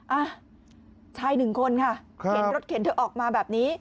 อ่ะชายหนึ่งคนค่ะเข็นรถเข็นเธอออกมาแบบนี้